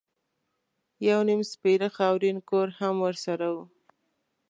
یو نیم سپېره خاورین کور هم ورسره و.